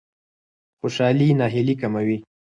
خوشالي ناهیلي کموي.